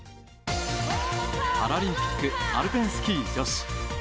パラリンピックアルペンスキー女子。